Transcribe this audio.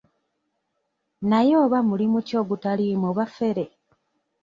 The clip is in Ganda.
Naye oba mulimu ki ogutaliimu bafere?